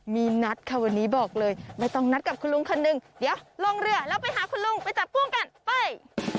มีนัดค่ะวันนี้บอกเลยไม่ต้องนัดกับคุณลุงคนหนึ่งเดี๋ยวลงเรือแล้วไปหาคุณลุงไปจับกุ้งกันไป